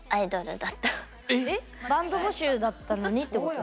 バンド募集だったのにってこと？